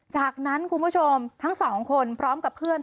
จากนั้นคุณผู้ชมทั้งสองคนพร้อมกับเพื่อน